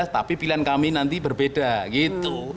tapi pilihan kami nanti berbeda gitu